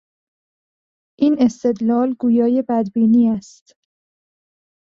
این استدلال گویای بدبینی است.